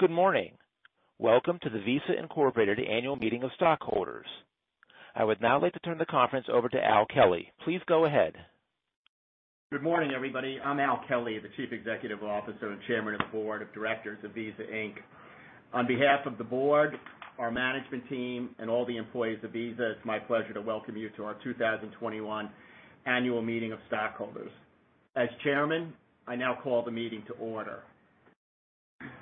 Good morning. Welcome to the Visa Incorporated Annual Meeting of Stockholders. I would now like to turn the conference over to Al Kelly. Please go ahead. Good morning, everybody. I'm Al Kelly, the Chief Executive Officer and Chairman of the Board of Directors of Visa Inc. On behalf of the board, our management team, and all the employees of Visa, it's my pleasure to welcome you to our 2021 Annual Meeting of Stockholders. As chairman, I now call the meeting to order.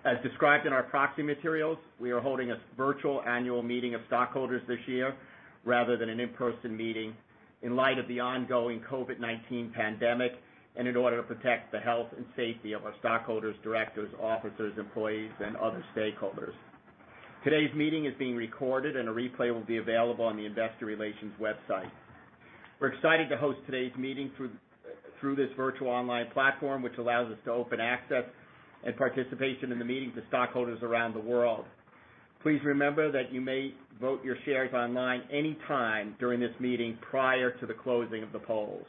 As described in our proxy materials, we are holding a virtual annual meeting of stockholders this year rather than an in-person meeting in light of the ongoing COVID-19 pandemic and in order to protect the health and safety of our stockholders, directors, officers, employees, and other stakeholders. Today's meeting is being recorded. A replay will be available on the investor relations website. We're excited to host today's meeting through this virtual online platform, which allows us open access and participation in the meeting to stockholders around the world. Please remember that you may vote your shares online anytime during this meeting prior to the closing of the polls.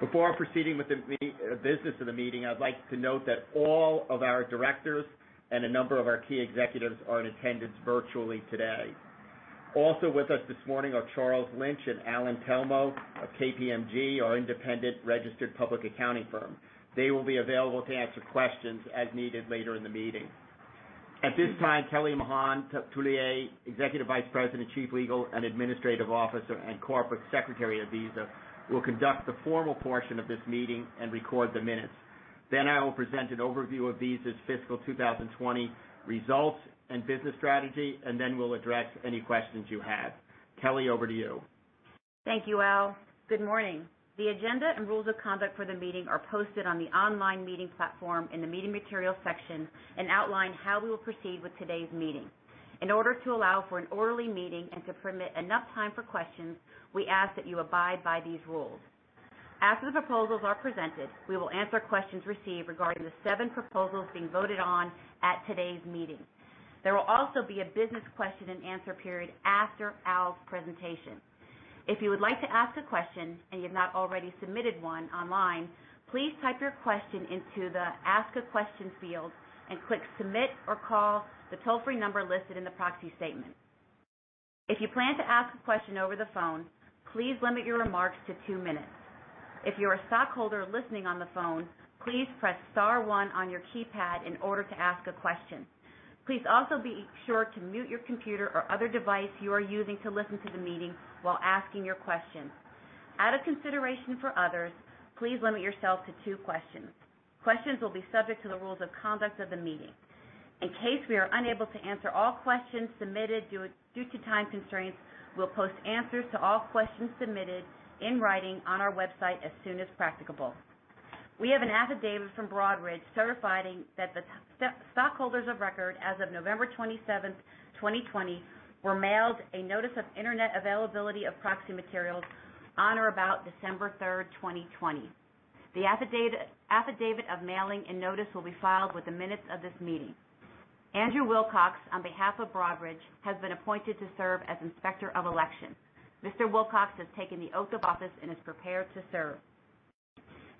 Before proceeding with the business of the meeting, I'd like to note that all of our directors and a number of our key executives are in attendance virtually today. Also with us this morning are Charles Lynch and Allan Telmo of KPMG, our independent registered public accounting firm. They will be available to answer questions as needed later in the meeting. At this time, Kelly Mahon Tullier, Executive Vice President, Chief Legal and Administrative Officer, and Corporate Secretary of Visa, will conduct the formal portion of this meeting and record the minutes. I will present an overview of Visa's fiscal 2020 results and business strategy, and then we'll address any questions you have. Kelly, over to you. Thank you, Al. Good morning. The agenda and rules of conduct for the meeting are posted on the online meeting platform in the meeting materials section and outline how we will proceed with today's meeting. In order to allow for an orderly meeting and to permit enough time for questions, we ask that you abide by these rules. After the proposals are presented, we will answer questions received regarding the seven proposals being voted on at today's meeting. There will also be a business question-and-answer period after Al's presentation. If you would like to ask a question and you have not already submitted one online, please type your question into the Ask a Question field and click Submit or call the toll-free number listed in the proxy statement. If you plan to ask a question over the phone, please limit your remarks to two minutes. If you're a stockholder listening on the phone, please press star one on your keypad in order to ask a question. Please also be sure to mute your computer or other device you are using to listen to the meeting while asking your question. Out of consideration for others, please limit yourself to two questions. Questions will be subject to the rules of conduct of the meeting. In case we are unable to answer all questions submitted due to time constraints, we'll post answers to all questions submitted in writing on our website as soon as practicable. We have an affidavit from Broadridge certifying that the stockholders of record as of November 27th, 2020, were mailed a notice of internet availability of proxy materials on or about December 3rd, 2020. The affidavit of mailing and notice will be filed with the minutes of this meeting. Andrew Wilcox, on behalf of Broadridge, has been appointed to serve as Inspector of Election. Mr. Wilcox has taken the oath of office and is prepared to serve.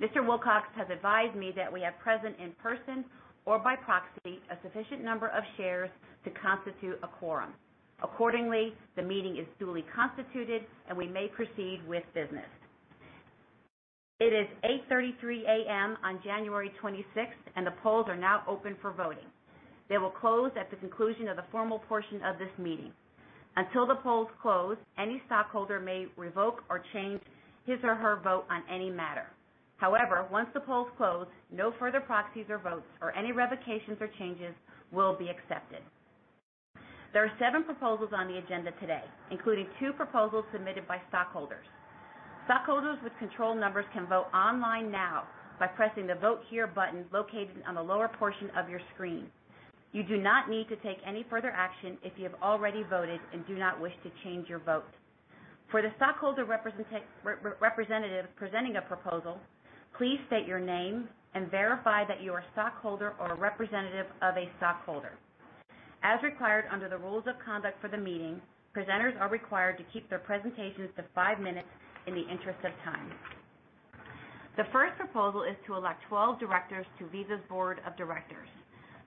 Mr. Wilcox has advised me that we have present in person or by proxy, a sufficient number of shares to constitute a quorum. Accordingly, the meeting is duly constituted, and we may proceed with business. It is 8:33 A.M. on January 26th, and the polls are now open for voting. They will close at the conclusion of the formal portion of this meeting. Until the polls close, any stockholder may revoke or change his or her vote on any matter. However, once the polls close, no further proxies or votes or any revocations or changes will be accepted. There are seven proposals on the agenda today, including two proposals submitted by stockholders. Stockholders with control numbers can vote online now by pressing the Vote Here button located on the lower portion of your screen. You do not need to take any further action if you have already voted and do not wish to change your vote. For the stockholder representative presenting a proposal, please state your name and verify that you are a stockholder or a representative of a stockholder. As required under the rules of conduct for the meeting, presenters are required to keep their presentations to five minutes in the interest of time. The first proposal is to elect 12 directors to Visa's Board of Directors.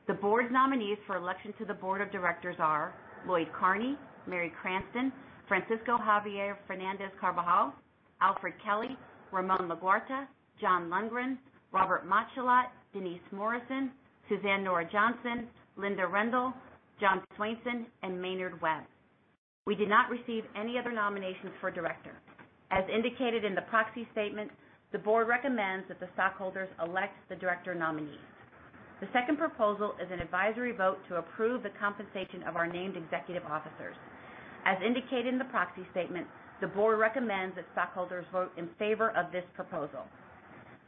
The board nominees for election to the Board of Directors are Lloyd Carney, Mary Cranston, Francisco Javier Fernández-Carbajal, Alfred Kelly, Ramon Laguarta, John Lundgren, Robert Matschullat, Denise Morrison, Suzanne Nora Johnson, Linda Rendle, John Swainson, and Maynard Webb. We did not receive any other nominations for director. As indicated in the proxy statement, the board recommends that the stockholders elect the director nominees. The second proposal is an advisory vote to approve the compensation of our named executive officers. As indicated in the proxy statement, the board recommends that stockholders vote in favor of this proposal.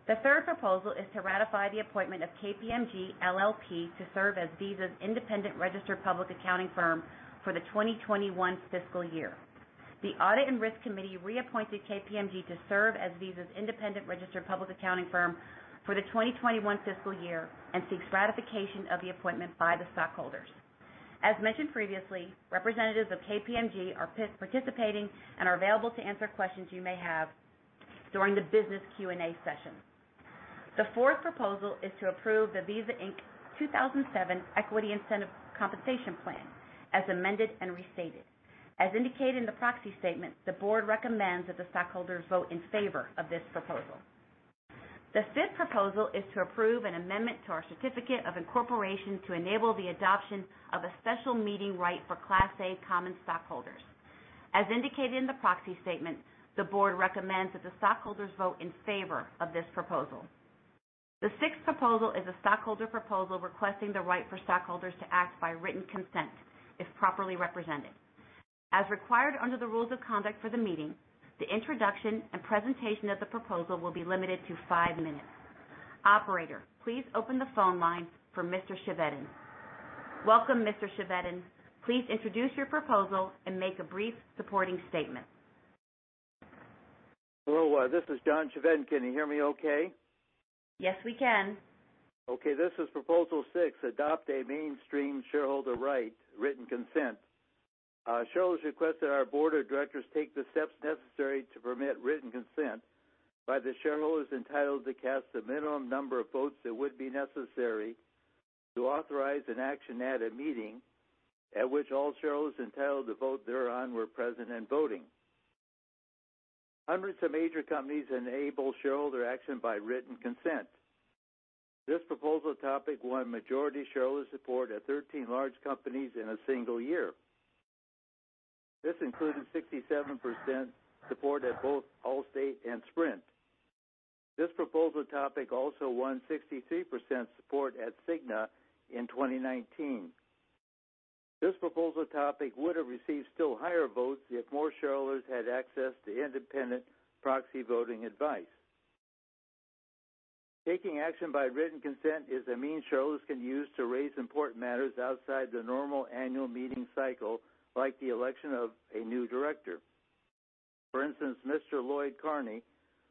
The third proposal is to ratify the appointment of KPMG LLP to serve as Visa's independent registered public accounting firm for the 2021 fiscal year. The Audit and Risk Committee reappointed KPMG to serve as Visa's independent registered public accounting firm for the 2021 fiscal year and seeks ratification of the appointment by the stockholders. As mentioned previously, representatives of KPMG are participating and are available to answer questions you may have during the business Q&A session. The fourth proposal is to approve the Visa Inc. 2007 Equity Incentive Compensation Plan as amended and restated. As indicated in the proxy statement, the board recommends that the stockholders vote in favor of this proposal. The fifth proposal is to approve an amendment to our Certificate of Incorporation to enable the adoption of a special meeting right for Class A common stockholders. As indicated in the proxy statement, the board recommends that the stockholders vote in favor of this proposal. The sixth proposal is a stockholder proposal requesting the right for stockholders to act by written consent if properly represented. As required under the rules of conduct for the meeting, the introduction and presentation of the proposal will be limited to five minutes. Operator, please open the phone line for Mr. Chevedden. Welcome, Mr. Chevedden. Please introduce your proposal and make a brief supporting statement. Hello, this is John Chevedden. Can you hear me okay? Yes, we can. Okay. This is proposal six, Adopt a Mainstream Shareholder Right, Written Consent. Shareholders request that our board of directors take the steps necessary to permit written consent by the shareholders entitled to cast the minimum number of votes that would be necessary to authorize an action at a meeting, at which all shareholders entitled to vote thereon were present and voting. Hundreds of major companies enable shareholder action by written consent. This proposal topic won majority shareholder support at 13 large companies in a single year. This included 67% support at both Allstate and Sprint. This proposal topic also won 63% support at Cigna in 2019. This proposal topic would have received still higher votes if more shareholders had access to independent proxy voting advice. Taking action by written consent is a means shareholders can use to raise important matters outside the normal annual meeting cycle, like the election of a new director. For instance, Mr. Lloyd Carney,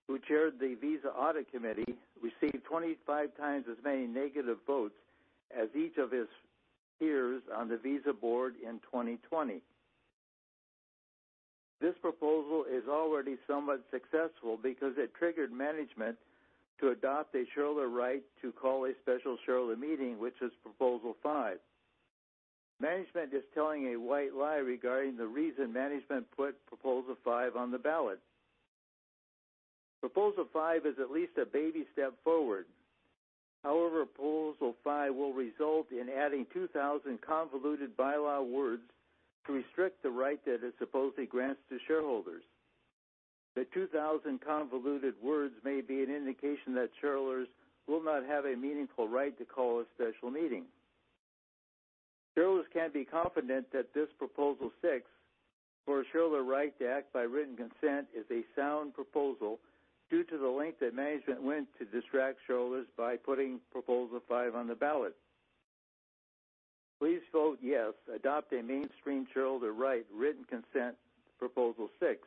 who chaired the Visa Audit Committee, received 25x as many negative votes as each of his peers on the Visa board in 2020. This proposal is already somewhat successful because it triggered management to adopt a shareholder right to call a special shareholder meeting, which is proposal five. Management is telling a white lie regarding the reason management put proposal five on the ballot. Proposal five is at least a baby step forward. However, proposal five will result in adding 2,000 convoluted bylaw words to restrict the right that it supposedly grants to shareholders. The 2,000 convoluted words may be an indication that shareholders will not have a meaningful right to call a special meeting. Shareholders can be confident that this proposal six, for a shareholder right to act by written consent, is a sound proposal due to the length that management went to distract shareholders by putting proposal five on the ballot. Please vote yes. Adopt a Mainstream Shareholder Right, Written Consent, proposal six.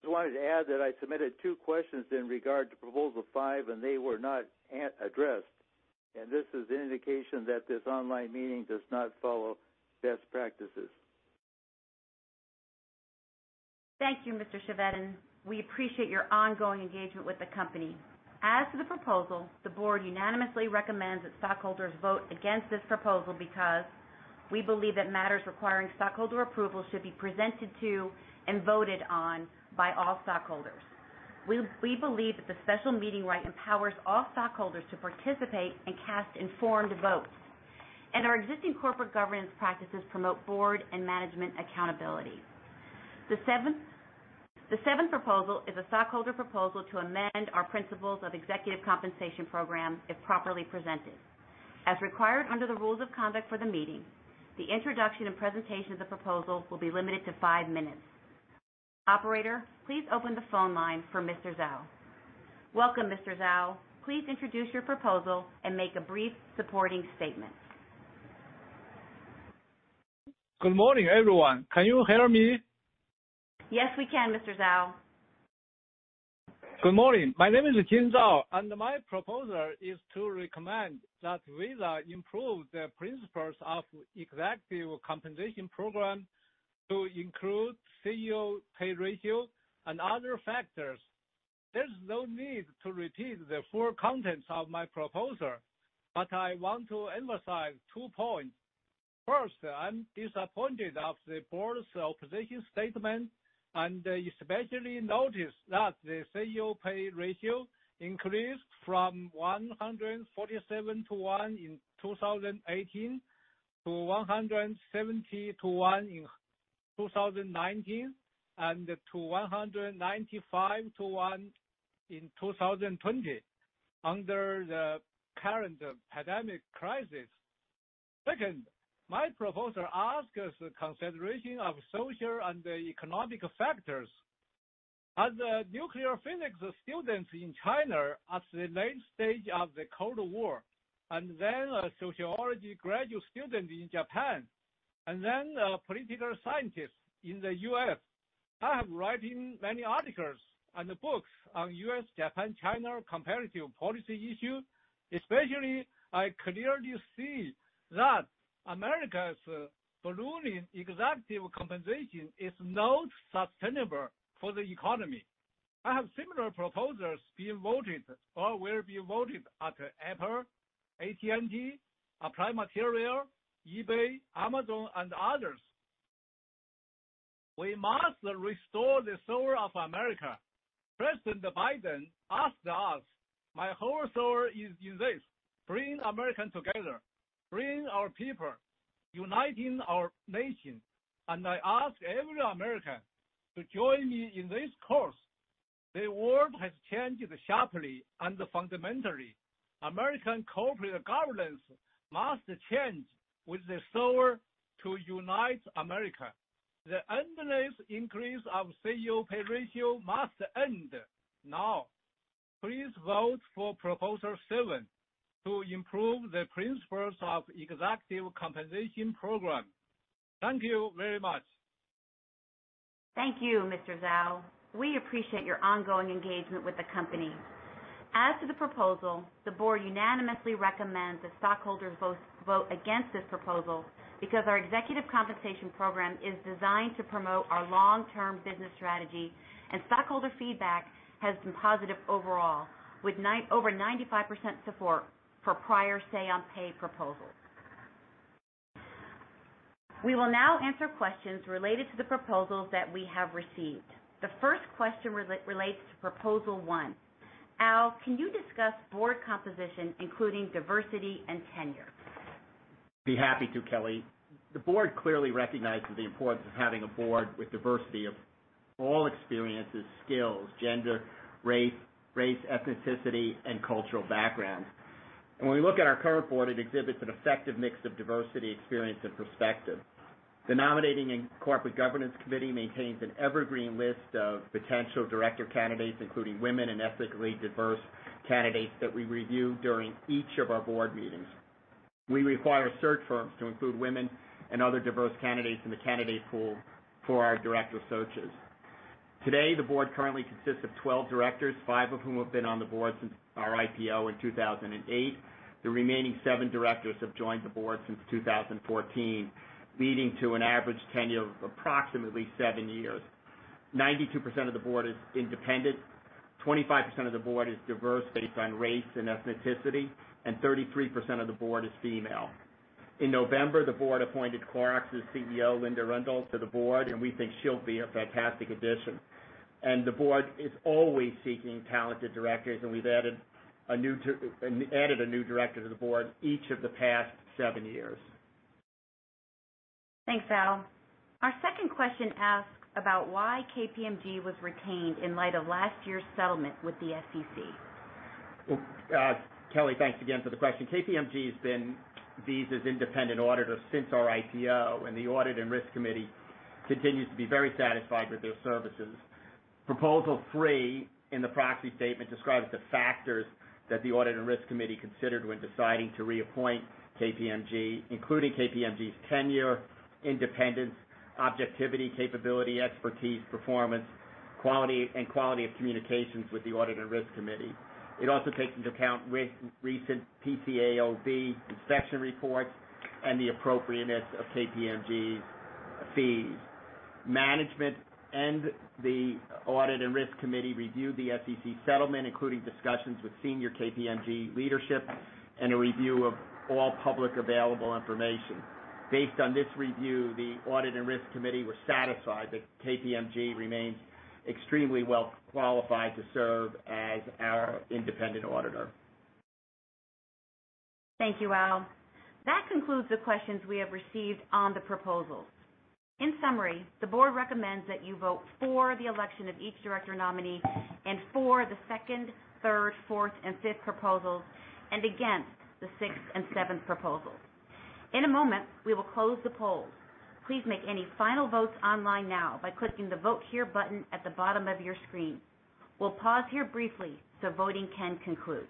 Just wanted to add that I submitted two questions in regard to proposal five, and they were not addressed, and this is an indication that this online meeting does not follow best practices. Thank you, Mr. Chevedden. We appreciate your ongoing engagement with the company. As to the proposal, the board unanimously recommends that stockholders vote against this proposal because we believe that matters requiring stockholder approval should be presented to and voted on by all stockholders. We believe that the special meeting right empowers all stockholders to participate and cast informed votes. Our existing corporate governance practices promote board and management accountability. The seventh proposal is a stockholder proposal to amend our principles of executive compensation program, if properly presented. As required under the rules of conduct for the meeting, the introduction and presentation of the proposal will be limited to five minutes. Operator, please open the phone line for Mr. Zhao. Welcome, Mr. Zhao. Please introduce your proposal and make a brief supporting statement. Good morning, everyone. Can you hear me? Yes, we can, Mr. Zhao. Good morning. My name is Jing Zhao, and my proposal is to recommend that Visa improve the principles of executive compensation program to include CEO pay ratio and other factors. There's no need to repeat the full contents of my proposal, but I want to emphasize two points. First, I'm disappointed of the board's opposition statement, and especially notice that the CEO pay ratio increased from 147:1 in 2018 to 170:1 in 2019, and to 195:1 in 2020 under the current pandemic crisis. Second, my proposal asks the consideration of social and economic factors. As a nuclear physics student in China at the late stage of the Cold War, and then a sociology graduate student in Japan, and then a political scientist in the U.S. I have written many articles and books on U.S., Japan, China comparative policy issue, especially I clearly see that America's ballooning executive compensation is not sustainable for the economy. I have similar proposals being voted or will be voted at Apple, AT&T, Applied Materials, eBay, Amazon, and others. We must restore the soul of America. President Biden asked us, "My whole soul is in this, bring Americans together, bring our people, uniting our nation, and I ask every American to join me in this course." The world has changed sharply and fundamentally. American corporate governance must change with the soul to unite America. The endless increase of CEO pay ratio must end now. Please vote for proposal seven to improve the principles of executive compensation program. Thank you very much. Thank you, Mr. Zhao. We appreciate your ongoing engagement with the company. As to the proposal, the board unanimously recommends that stockholders vote against this proposal because our executive compensation program is designed to promote our long-term business strategy, and stockholder feedback has been positive overall, with over 95% support for prior say-on-pay proposals. We will now answer questions related to the proposals that we have received. The first question relates to proposal one. Al, can you discuss board composition, including diversity and tenure? Be happy to, Kelly. The board clearly recognizes the importance of having a board with diversity of all experiences, skills, gender, race, ethnicity, and cultural backgrounds. When we look at our current board, it exhibits an effective mix of diversity, experience, and perspective. The Nominating and Corporate Governance Committee maintains an evergreen list of potential director candidates, including women and ethnically diverse candidates that we review during each of our board meetings. We require search firms to include women and other diverse candidates in the candidate pool for our director searches. Today, the board currently consists of 12 directors, five of whom have been on the board since our IPO in 2008. The remaining seven directors have joined the board since 2014, leading to an average tenure of approximately seven years. 92% of the board is independent, 25% of the board is diverse based on race and ethnicity, and 33% of the board is female. In November, the board appointed Clorox's CEO, Linda Rendle, to the board, and we think she'll be a fantastic addition. The board is always seeking talented directors, and we've added a new director to the board each of the past seven years. Thanks, Al. Our second question asks about why KPMG was retained in light of last year's settlement with the SEC. Kelly, thanks again for the question. KPMG has been Visa's independent auditor since our IPO, and the Audit and Risk Committee continues to be very satisfied with their services. Proposal three in the proxy statement describes the factors that the Audit and Risk Committee considered when deciding to reappoint KPMG, including KPMG's tenure, independence, objectivity, capability, expertise, performance, and quality of communications with the Audit and Risk Committee. It also takes into account recent PCAOB inspection reports and the appropriateness of KPMG's fees. Management and the Audit and Risk Committee reviewed the SEC settlement, including discussions with senior KPMG leadership and a review of all public available information. Based on this review, the Audit and Risk Committee was satisfied that KPMG remains extremely well qualified to serve as our independent auditor. Thank you, Al. That concludes the questions we have received on the proposals. In summary, the board recommends that you vote for the election of each director nominee and for the second, third, fourth, and fifth proposals and against the sixth and seventh proposals. In a moment, we will close the polls. Please make any final votes online now by clicking the Vote Here button at the bottom of your screen. We'll pause here briefly so voting can conclude.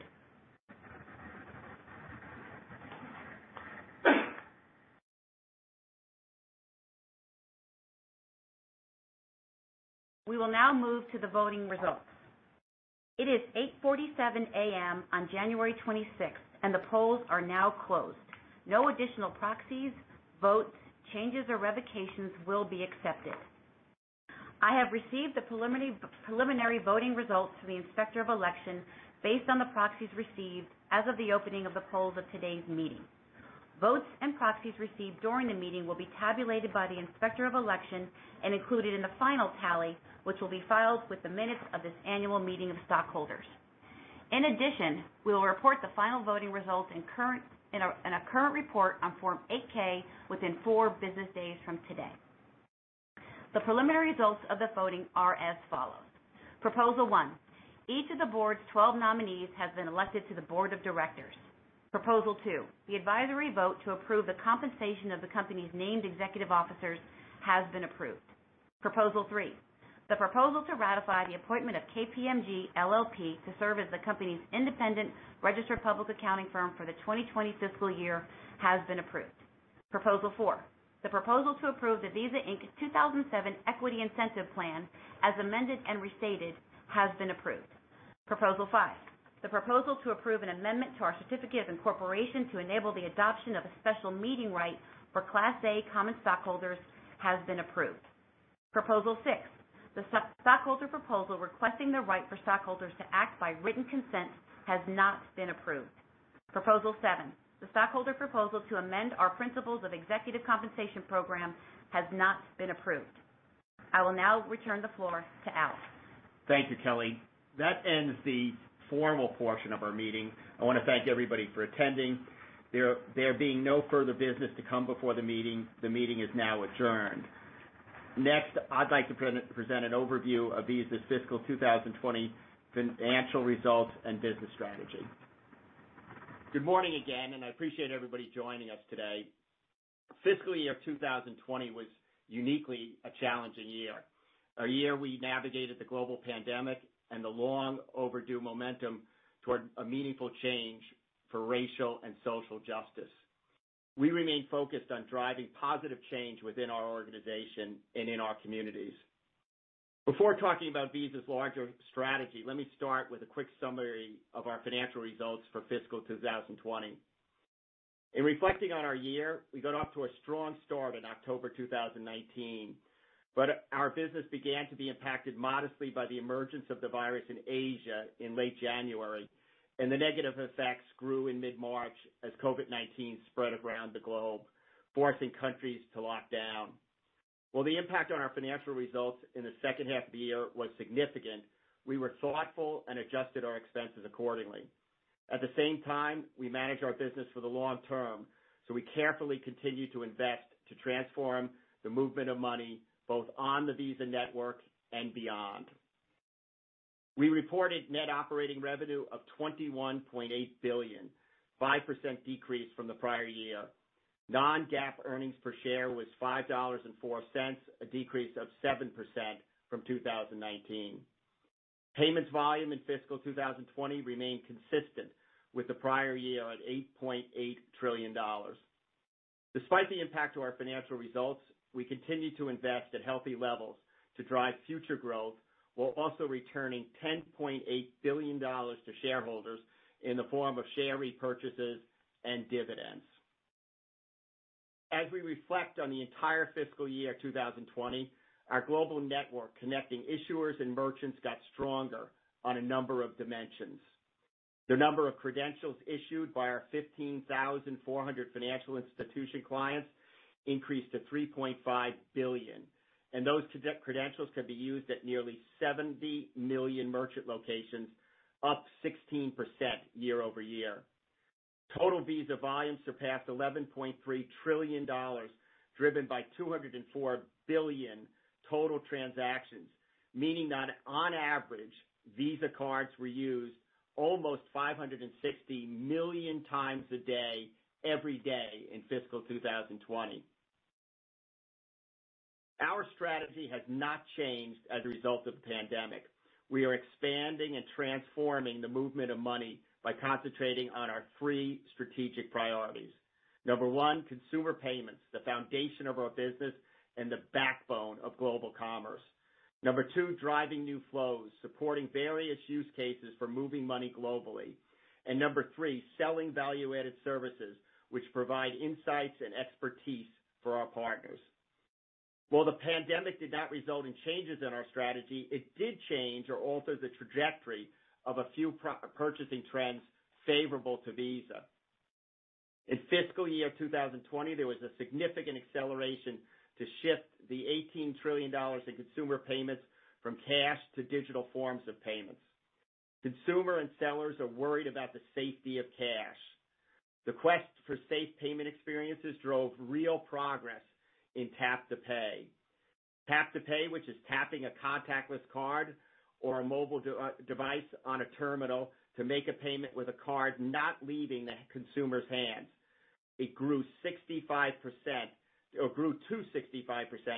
We will now move to the voting results. It is 8:47 A.M. on January 26th, and the polls are now closed. No additional proxies, votes, changes, or revocations will be accepted. I have received the preliminary voting results from the Inspector of Election based on the proxies received as of the opening of the polls of today's meeting. Votes and proxies received during the meeting will be tabulated by the Inspector of Election and included in the final tally, which will be filed with the minutes of this annual meeting of stockholders. In addition, we will report the final voting results in a current report on Form 8-K within four business days from today. The preliminary results of the voting are as follows. Proposal one, each of the board's 12 nominees has been elected to the board of directors. Proposal two, the advisory vote to approve the compensation of the company's named executive officers has been approved. Proposal three, the proposal to ratify the appointment of KPMG LLP to serve as the company's independent registered public accounting firm for the 2020 fiscal year has been approved. Proposal four, the proposal to approve the Visa Inc. 2007 Equity Incentive Plan, as amended and restated, has been approved. Proposal five, the proposal to approve an amendment to our certificate of incorporation to enable the adoption of a special meeting right for Class A common stockholders has been approved. Proposal six, the stockholder proposal requesting the right for stockholders to act by written consent has not been approved. Proposal seven, the stockholder proposal to amend our principles of executive compensation program has not been approved. I will now return the floor to Al. Thank you, Kelly. That ends the formal portion of our meeting. I want to thank everybody for attending. There being no further business to come before the meeting, the meeting is now adjourned. I'd like to present an overview of Visa's fiscal 2020 financial results and business strategy. Good morning again. I appreciate everybody joining us today. Fiscal year 2020 was uniquely a challenging year. A year we navigated the global pandemic and the long overdue momentum toward a meaningful change for racial and social justice. We remain focused on driving positive change within our organization and in our communities. Before talking about Visa's larger strategy, let me start with a quick summary of our financial results for fiscal 2020. In reflecting on our year, we got off to a strong start in October 2019. Our business began to be impacted modestly by the emergence of the virus in Asia in late January. The negative effects grew in mid-March as COVID-19 spread around the globe, forcing countries to lock down. While the impact on our financial results in the second half of the year was significant, we were thoughtful and adjusted our expenses accordingly. At the same time, we managed our business for the long term. We carefully continued to invest to transform the movement of money, both on the Visa network and beyond. We reported net operating revenue of $21.8 billion, a 5% decrease from the prior year. Non-GAAP earnings per share was $5.04, a decrease of 7% from 2019. Payments volume in fiscal 2020 remained consistent with the prior year at $8.8 trillion. Despite the impact to our financial results, we continue to invest at healthy levels to drive future growth, while also returning $10.8 billion to shareholders in the form of share repurchases and dividends. As we reflect on the entire fiscal year 2020, our global network connecting issuers and merchants got stronger on a number of dimensions. The number of credentials issued by our 15,400 financial institution clients increased to 3.5 billion, and those credentials can be used at nearly 70 million merchant locations, up 16% year-over-year. Total Visa volume surpassed $11.3 trillion, driven by 204 billion total transactions, meaning that on average, Visa cards were used almost 560 million times a day, every day in fiscal 2020. Our strategy has not changed as a result of the pandemic. We are expanding and transforming the movement of money by concentrating on our three strategic priorities. Number one, consumer payments, the foundation of our business and the backbone of global commerce. Number two, driving new flows, supporting various use cases for moving money globally. Number three, selling value-added services, which provide insights and expertise for our partners. While the pandemic did not result in changes in our strategy, it did change or alter the trajectory of a few purchasing trends favorable to Visa. In fiscal year 2020, there was a significant acceleration to shift the $18 trillion in consumer payments from cash to digital forms of payments. Consumer and sellers are worried about the safety of cash. The quest for safe payment experiences drove real progress in tap to pay. tap to pay, which is tapping a contactless card or a mobile device on a terminal to make a payment with a card not leaving the consumer's hands. It grew to 65%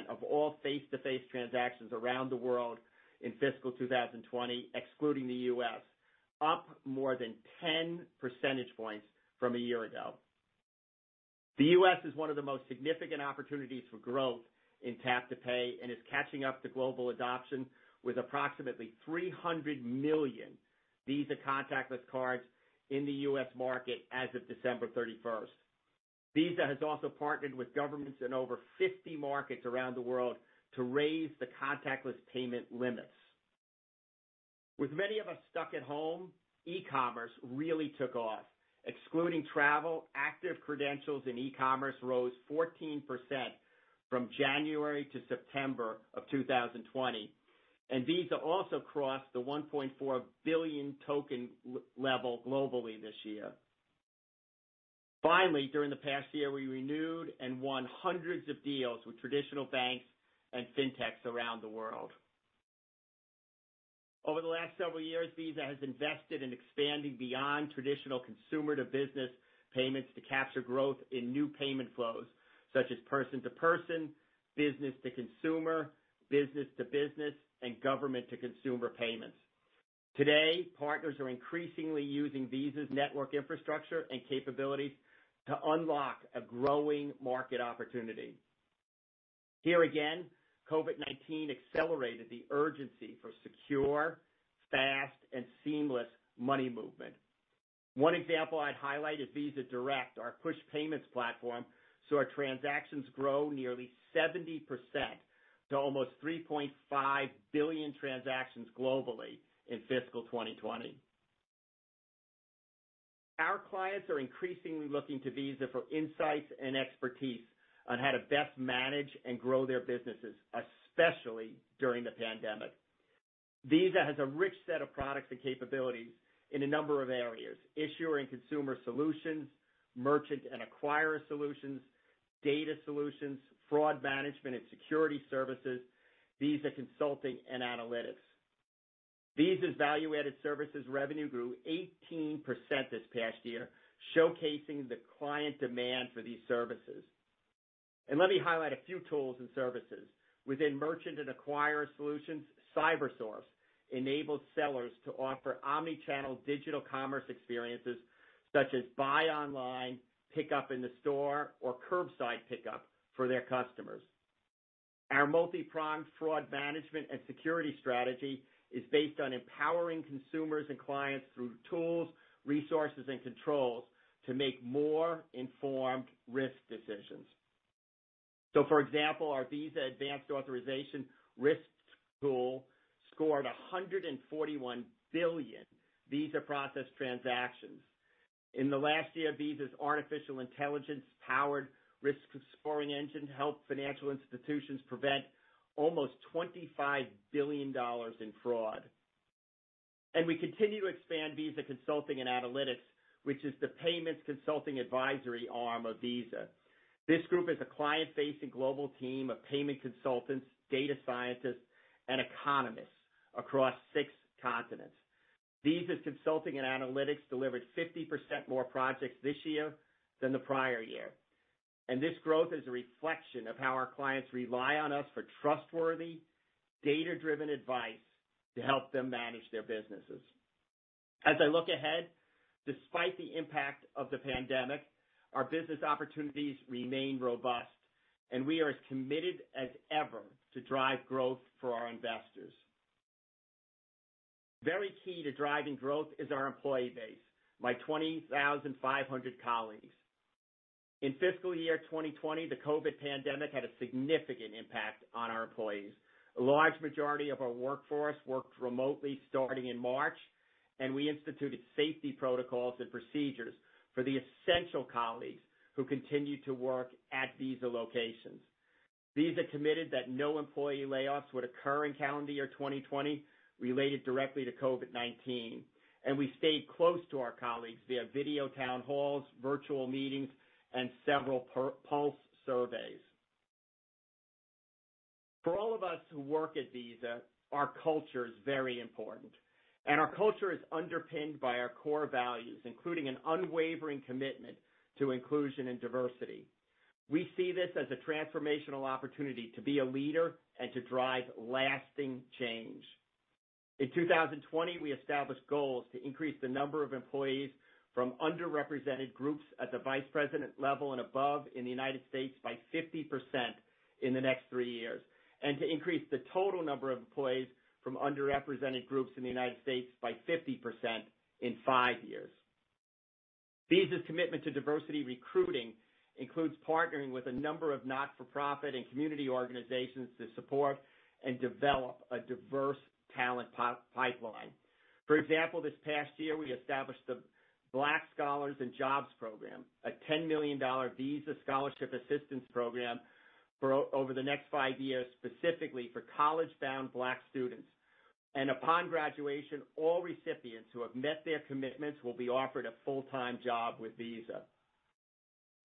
of all face-to-face transactions around the world in fiscal 2020, excluding the U.S., up more than 10 percentage points from a year ago. The U.S. is one of the most significant opportunities for growth in tap to pay and is catching up to global adoption with approximately 300 million Visa contactless cards in the U.S. market as of December 31st. Visa has also partnered with governments in over 50 markets around the world to raise the contactless payment limits. With many of us stuck at home, e-commerce really took off. Excluding travel, active credentials in e-commerce rose 14% from January-September of 2020, and Visa also crossed the 1.4 billion token level globally this year. Finally, during the past year, we renewed and won hundreds of deals with traditional banks and fintechs around the world. Over the last several years, Visa has invested in expanding beyond traditional consumer-to-business payments to capture growth in new payment flows, such as person-to-person, business-to-consumer, business-to-business, and government-to-consumer payments. Today, partners are increasingly using Visa's network infrastructure and capabilities to unlock a growing market opportunity. Here again, COVID-19 accelerated the urgency for secure, fast, and seamless money movement. One example I'd highlight is Visa Direct, our push payments platform, saw our transactions grow nearly 70% to almost 3.5 billion transactions globally in fiscal 2020. Our clients are increasingly looking to Visa for insights and expertise on how to best manage and grow their businesses, especially during the pandemic. Visa has a rich set of products and capabilities in a number of areas. Issuer and consumer solutions, merchant and acquirer solutions, data solutions, fraud management and security services, Visa Consulting and Analytics. Visa's value-added services revenue grew 18% this past year, showcasing the client demand for these services. Let me highlight a few tools and services. Within merchant and acquirer solutions, CyberSource enables sellers to offer omni-channel digital commerce experiences such as buy online, pick up in the store, or curbside pickup for their customers. Our multi-pronged fraud management and security strategy is based on empowering consumers and clients through tools, resources, and controls to make more informed risk decisions. For example, our Visa Advanced Authorization Risk Tool scored 141 billion Visa processed transactions. In the last year, Visa's artificial intelligence-powered risk scoring engine helped financial institutions prevent almost $25 billion in fraud. We continue to expand Visa Consulting and Analytics, which is the payments consulting advisory arm of Visa. This group is a client-facing global team of payment consultants, data scientists, and economists across six continents. Visa Consulting and Analytics delivered 50% more projects this year than the prior year. This growth is a reflection of how our clients rely on us for trustworthy, data-driven advice to help them manage their businesses. As I look ahead, despite the impact of the pandemic, our business opportunities remain robust, and we are as committed as ever to drive growth for our investors. Very key to driving growth is our employee base, my 20,500 colleagues. In fiscal year 2020, the COVID pandemic had a significant impact on our employees. A large majority of our workforce worked remotely starting in March, and we instituted safety protocols and procedures for the essential colleagues who continued to work at Visa locations. Visa committed that no employee layoffs would occur in calendar year 2020 related directly to COVID-19, and we stayed close to our colleagues via video town halls, virtual meetings, and several pulse surveys. For all of us who work at Visa, our culture is very important, and our culture is underpinned by our core values, including an unwavering commitment to inclusion and diversity. We see this as a transformational opportunity to be a leader and to drive lasting change. In 2020, we established goals to increase the number of employees from underrepresented groups at the vice president level and above in the United States by 50% in the next three years, and to increase the total number of employees from underrepresented groups in the United States by 50% in five years. Visa's commitment to diversity recruiting includes partnering with a number of not-for-profit and community organizations to support and develop a diverse talent pipeline. For example, this past year, we established the Black Scholars and Jobs Program, a $10 million Visa scholarship assistance program over the next five years, specifically for college-bound Black students. Upon graduation, all recipients who have met their commitments will be offered a full-time job with Visa.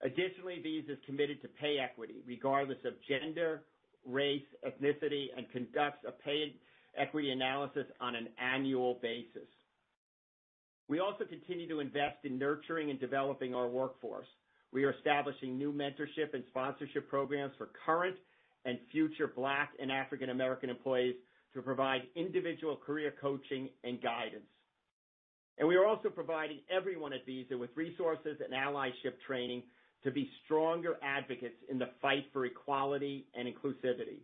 Additionally, Visa's committed to pay equity regardless of gender, race, ethnicity, and conducts a pay equity analysis on an annual basis. We also continue to invest in nurturing and developing our workforce. We are establishing new mentorship and sponsorship programs for current and future Black and African American employees to provide individual career coaching and guidance. We are also providing everyone at Visa with resources and allyship training to be stronger advocates in the fight for equality and inclusivity.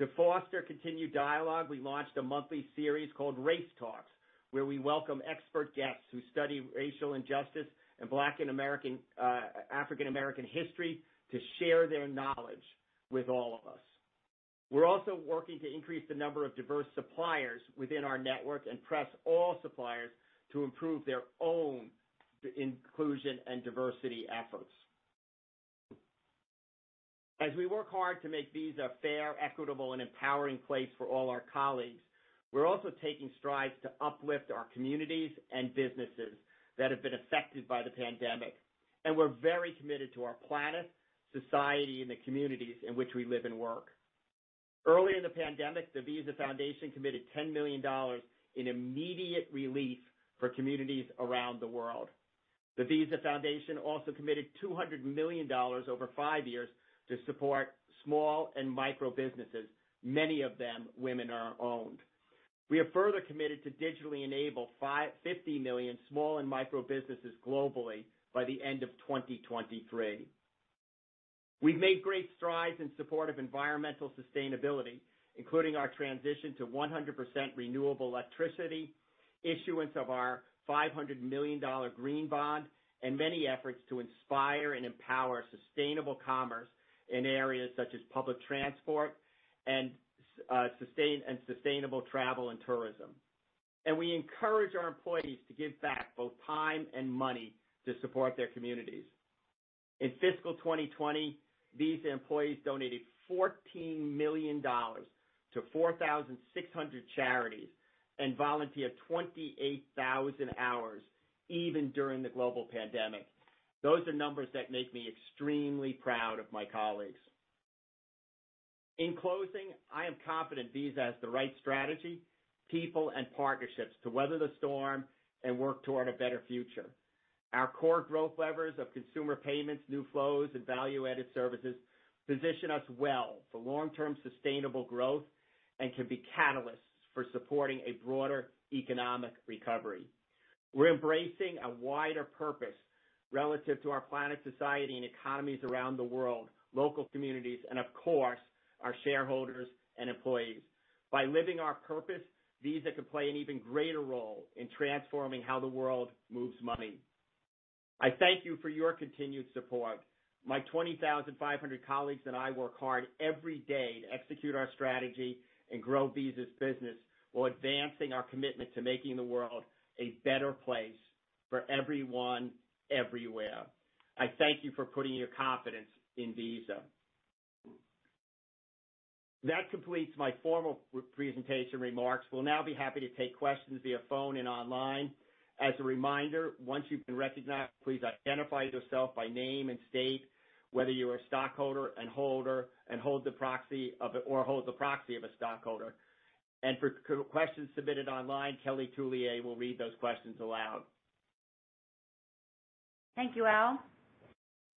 To foster continued dialogue, we launched a monthly series called Race Talks, where we welcome expert guests who study racial injustice and Black and African American history to share their knowledge with all of us. We're also working to increase the number of diverse suppliers within our network and press all suppliers to improve their own inclusion and diversity efforts. As we work hard to make Visa a fair, equitable, and empowering place for all our colleagues, we're also taking strides to uplift our communities and businesses that have been affected by the pandemic. We're very committed to our planet, society, and the communities in which we live and work. Early in the pandemic, the Visa Foundation committed $10 million in immediate relief for communities around the world. The Visa Foundation also committed $200 million over five years to support small and micro businesses, many of them women-owned. We have further committed to digitally enable 50 million small and micro businesses globally by the end of 2023. We've made great strides in support of environmental sustainability, including our transition to 100% renewable electricity, issuance of our $500 million green bond, and many efforts to inspire and empower sustainable commerce in areas such as public transport and sustainable travel and tourism. We encourage our employees to give back both time and money to support their communities. In fiscal 2020, Visa employees donated $14 million to 4,600 charities and volunteered 28,000 hours, even during the global pandemic. Those are numbers that make me extremely proud of my colleagues. In closing, I am confident Visa has the right strategy, people, and partnerships to weather the storm and work toward a better future. Our core growth levers of consumer payments, new flows, and value-added services position us well for long-term sustainable growth and can be catalysts for supporting a broader economic recovery. We're embracing a wider purpose relative to our planet, society, and economies around the world, local communities, and of course, our shareholders and employees. By living our purpose, Visa can play an even greater role in transforming how the world moves money. I thank you for your continued support. My 20,500 colleagues and I work hard every day to execute our strategy and grow Visa's business, while advancing our commitment to making the world a better place for everyone, everywhere. I thank you for putting your confidence in Visa. That completes my formal presentation remarks. We'll now be happy to take questions via phone and online. As a reminder, once you've been recognized, please identify yourself by name and state whether you are a stockholder or hold the proxy of a stockholder. For questions submitted online, Kelly Tullier will read those questions aloud. Thank you, Al.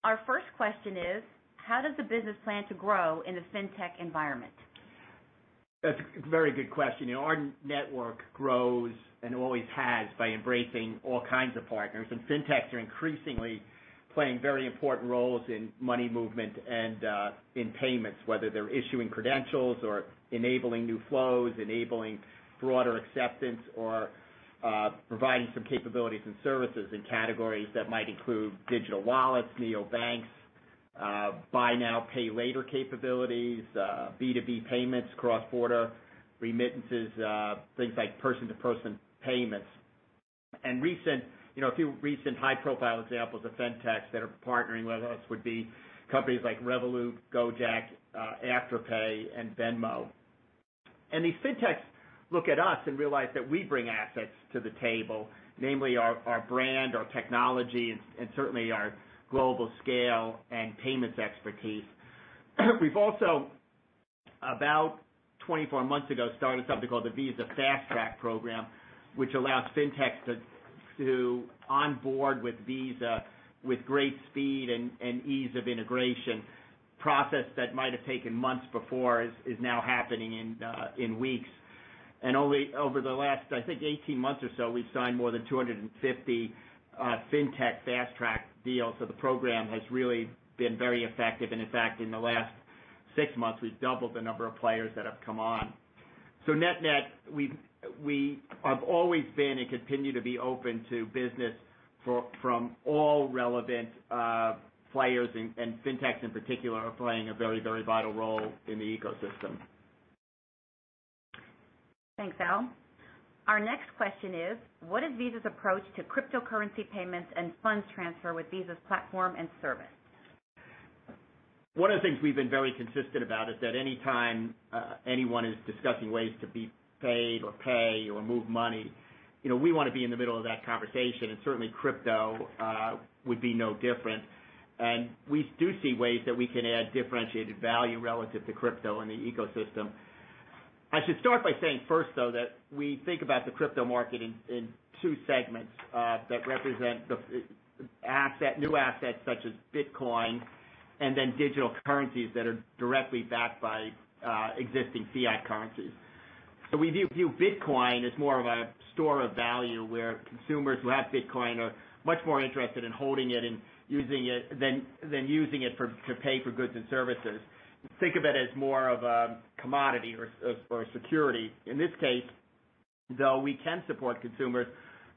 Our first question is, how does the business plan to grow in the fintech environment? That's a very good question. Our network grows, and always has, by embracing all kinds of partners, and fintechs are increasingly playing very important roles in money movement and in payments, whether they're issuing credentials or enabling new flows, enabling broader acceptance, or providing some capabilities and services in categories that might include digital wallets, neobanks, Buy Now, Pay Later capabilities, B2B payments, cross-border remittances, things like person-to-person payments. A few recent high-profile examples of fintechs that are partnering with us would be companies like Revolut, Gojek, Afterpay, and Venmo. These fintechs look at us and realize that we bring assets to the table, namely our brand, our technology, and certainly our global scale and payments expertise. We've also, about 24 months ago, started something called the Visa Fast Track program, which allows fintechs to onboard with Visa with great speed and ease of integration. A process that might have taken months before is now happening in weeks. Over the last, I think 18 months or so, we've signed more than 250 fintech Fast Track deals. The program has really been very effective. In fact, in the last six months, we've doubled the number of players that have come on. Net-net, we have always been and continue to be open to business from all relevant players, and fintechs in particular, are playing a very vital role in the ecosystem. Thanks, Al. Our next question is, what is Visa's approach to cryptocurrency payments and funds transfer with Visa's platform and service? One of the things we've been very consistent about is that any time anyone is discussing ways to be paid or pay or move money, we want to be in the middle of that conversation, and certainly crypto would be no different. We do see ways that we can add differentiated value relative to crypto in the ecosystem. I should start by saying first, though, that we think about the crypto market in two segments that represent the new assets such as Bitcoin and then digital currencies that are directly backed by existing fiat currencies. We view Bitcoin as more of a store of value, where consumers who have Bitcoin are much more interested in holding it than using it to pay for goods and services. Think of it as more of a commodity or security. In this case, though, we can support consumers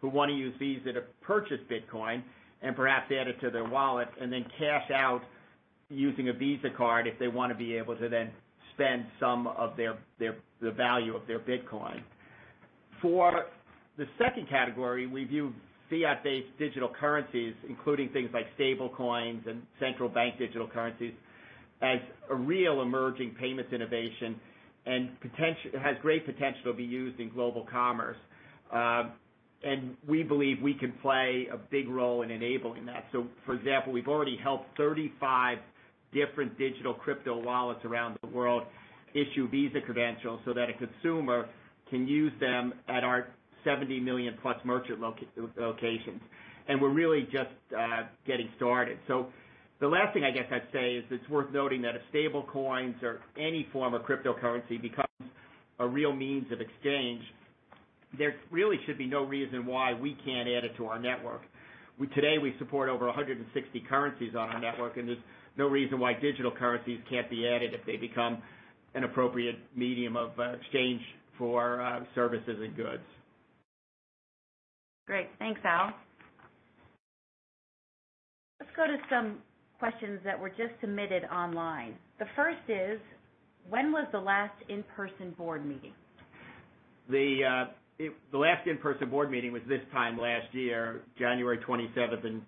who want to use Visa to purchase Bitcoin and perhaps add it to their wallet and then cash out using a Visa card if they want to be able to then spend some of the value of their Bitcoin. For the second category, we view fiat-based digital currencies, including things like stablecoins and central bank digital currencies, as a real emerging payments innovation. It has great potential to be used in global commerce. We believe we can play a big role in enabling that. For example, we've already helped 35 different digital crypto wallets around the world issue Visa credentials so that a consumer can use them at our 70 million+ merchant locations. We're really just getting started. The last thing I guess I'd say is it's worth noting that if stablecoins or any form of cryptocurrency becomes a real means of exchange, there really should be no reason why we can't add it to our network. Today, we support over 160 currencies on our network, and there's no reason why digital currencies can't be added if they become an appropriate medium of exchange for services and goods. Great. Thanks, Al. Let's go to some questions that were just submitted online. The first is: When was the last in-person board meeting? The last in-person board meeting was this time last year, January 27th and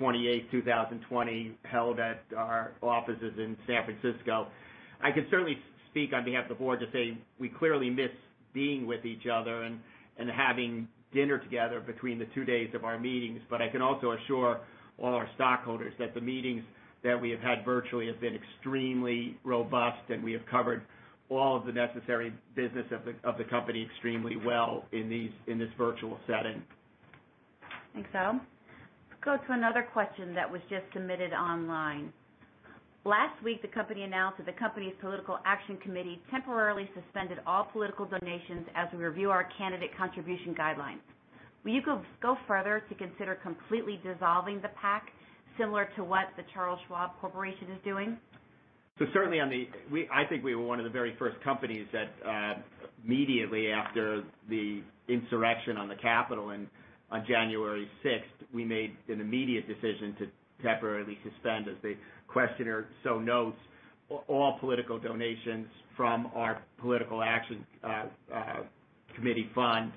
28th, 2020, held at our offices in San Francisco. I can certainly speak on behalf of the board to say we clearly miss being with each other and having dinner together between the two days of our meetings. I can also assure all our stockholders that the meetings that we have had virtually have been extremely robust, and we have covered all of the necessary business of the company extremely well in this virtual setting. Thanks, Al. Let's go to another question that was just submitted online. Last week, the company announced that the company's political action committee temporarily suspended all political donations as we review our candidate contribution guidelines. Will you go further to consider completely dissolving the PAC, similar to what The Charles Schwab Corporation is doing? Certainly, I think we were one of the very first companies that immediately after the insurrection on the Capitol on January 6th, we made an immediate decision to temporarily suspend, as the questioner so notes, all political donations from our political action committee fund.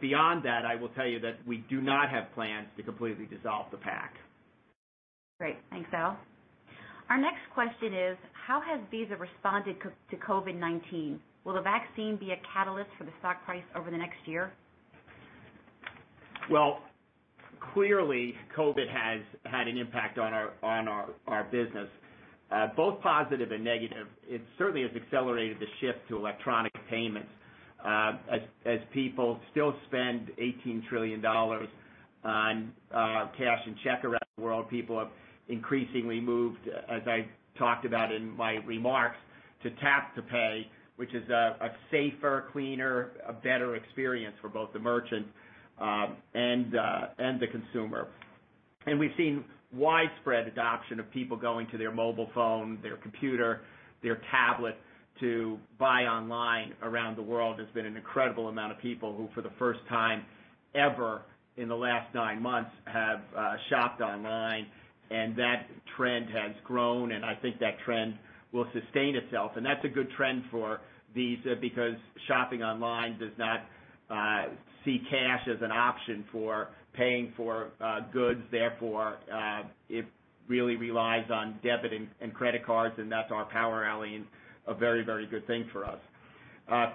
Beyond that, I will tell you that we do not have plans to completely dissolve the PAC. Great. Thanks, Al. Our next question is: How has Visa responded to COVID-19? Will the vaccine be a catalyst for the stock price over the next year? Well, clearly COVID has had an impact on our business, both positive and negative. It certainly has accelerated the shift to electronic payments. People still spend $18 trillion on cash and check around the world, people have increasingly moved, as I talked about in my remarks, to tap to pay, which is a safer, cleaner, a better experience for both the merchant and the consumer. We've seen widespread adoption of people going to their mobile phone, their computer, their tablet to buy online around the world. There's been an incredible amount of people who, for the first time ever in the last nine months, have shopped online, and that trend has grown, and I think that trend will sustain itself. That's a good trend for Visa because shopping online does not see cash as an option for paying for goods. Therefore, it really relies on debit and credit cards, and that's our power alley and a very good thing for us.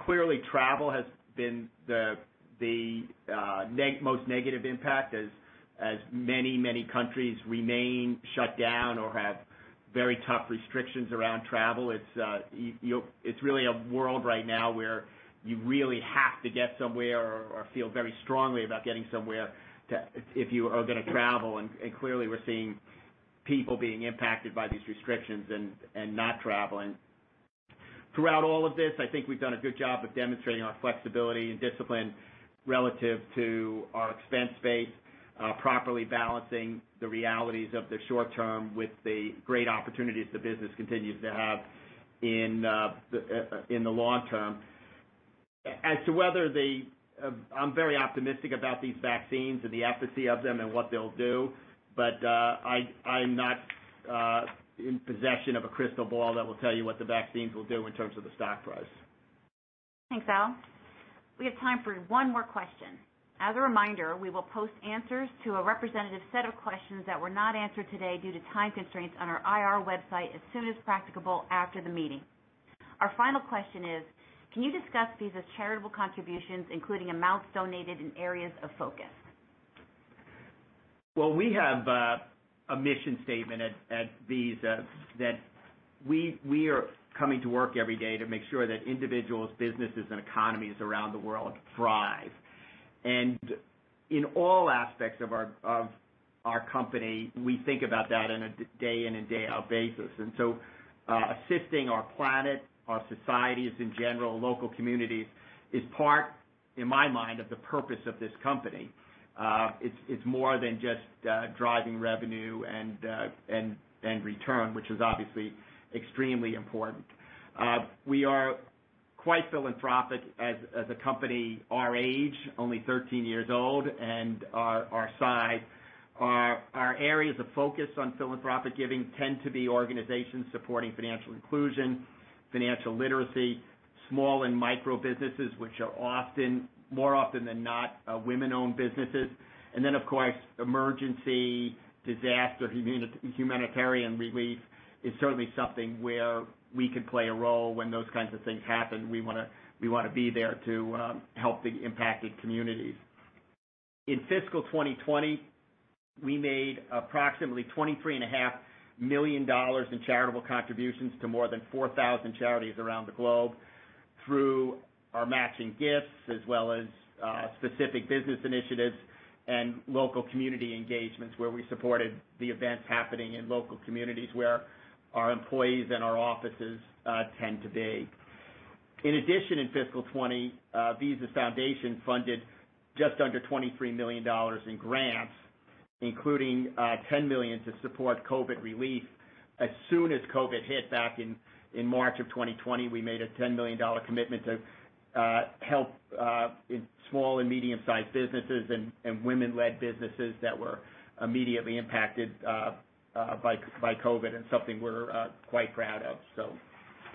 Clearly, travel has been the most negative impact as many countries remain shut down or have very tough restrictions around travel. It's really a world right now where you really have to get somewhere or feel very strongly about getting somewhere if you are going to travel, and clearly we're seeing people being impacted by these restrictions and not traveling. Throughout all of this, I think we've done a good job of demonstrating our flexibility and discipline relative to our expense base, properly balancing the realities of the short term with the great opportunities the business continues to have in the long term. As to whether I'm very optimistic about these vaccines and the efficacy of them and what they'll do. I'm not in possession of a crystal ball that will tell you what the vaccines will do in terms of the stock price. Thanks, Al. We have time for one more question. As a reminder, we will post answers to a representative set of questions that were not answered today due to time constraints on our IR website as soon as practicable after the meeting. Our final question is: Can you discuss Visa's charitable contributions, including amounts donated in areas of focus? Well, we have a mission statement at Visa that we are coming to work every day to make sure that individuals, businesses, and economies around the world thrive. In all aspects of our company, we think about that in a day in and day out basis. Assisting our planet, our societies in general, local communities, is part, in my mind, of the purpose of this company. It's more than just driving revenue and return, which is obviously extremely important. We are quite philanthropic as a company our age, only 13 years old, and our size. Our areas of focus on philanthropic giving tend to be organizations supporting financial inclusion, financial literacy, small and micro businesses, which are more often than not women-owned businesses. Then, of course, emergency disaster humanitarian relief is certainly something where we can play a role when those kinds of things happen. We want to be there to help the impacted communities. In fiscal 2020, we made approximately $23.5 million in charitable contributions to more than 4,000 charities around the globe through our matching gifts, as well as specific business initiatives and local community engagements where we supported the events happening in local communities where our employees and our offices tend to be. In addition, in fiscal 2020, Visa Foundation funded just under $23 million in grants, including $10 million to support COVID relief. As soon as COVID hit back in March of 2020, we made a $10 million commitment to help in small and medium-sized businesses and women-led businesses that were immediately impacted by COVID, and something we're quite proud of.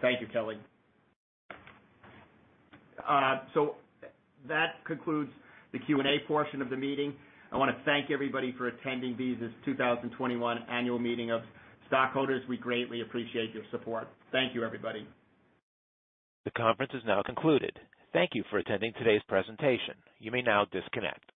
Thank you, Kelly. That concludes the Q&A portion of the meeting. I want to thank everybody for attending Visa's 2021 annual meeting of stockholders. We greatly appreciate your support. Thank you, everybody. The conference is now concluded. Thank you for attending today's presentation. You may now disconnect.